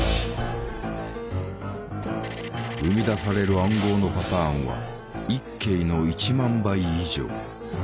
生み出される暗号のパターンは１京の１万倍以上。